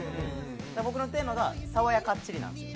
僕のテーマが「爽やかっちり」なんですよ。